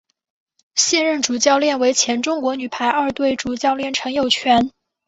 现任主教练为前中国女排二队主教练陈友泉。